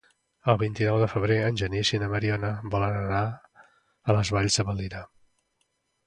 El vint-i-nou de febrer en Genís i na Mariona volen anar a les Valls de Valira.